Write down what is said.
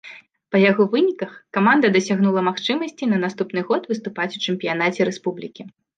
Па яго выніках каманда дасягнула магчымасці на наступны год выступаць у чэмпіянаце рэспублікі.